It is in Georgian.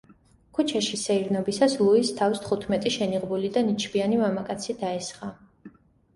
ქუჩაში სეირნობისას, ლუის თავს თხუთმეტი შენიღბული და ნიჩბიანი მამაკაცი დაესხა.